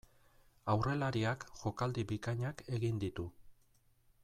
Aurrelariak jokaldi bikainak egin ditu.